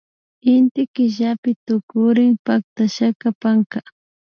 Inty killapi tukurin pactashaka panka